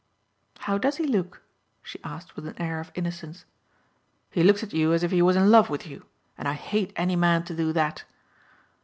"How does he look?" she asked with an air of innocence. "He looks at you as if he was in love with you, and I hate any man to do that."